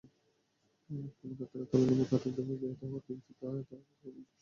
পানপাত্রে তলানির মতো আরেক দফা বিবাহিত হওয়ার কিঞ্চিত এরাদা এখনো অবশিষ্ট আছে।